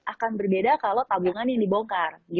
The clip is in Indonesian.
akan berbeda kalau tabungan yang dibongkar